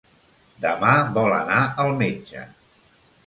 Demà vol anar al metge.